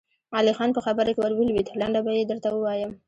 علی خان په خبره کې ور ولوېد: لنډه به يې درته ووايم.